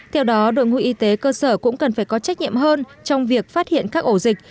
theo đó đội ngũ y tế cơ sở cũng cần phải có trách nhiệm hơn trong việc phát hiện các ổ dịch